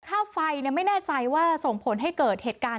ค่าไฟไม่แน่ใจว่าส่งผลให้เกิดเหตุการณ์